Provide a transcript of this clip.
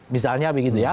misalnya begitu ya